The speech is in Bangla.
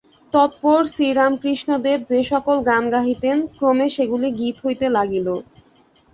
তৎপর শ্রীরামকৃষ্ণদেব যে-সকল গান গাহিতেন, ক্রমে সেগুলি গীত হইতে লাগিল।